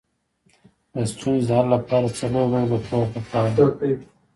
د ستونزې د حل لپاره څلور ډوله پوهه پکار ده.